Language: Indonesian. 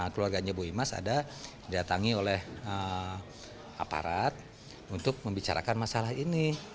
keluarganya bu imas ada didatangi oleh aparat untuk membicarakan masalah ini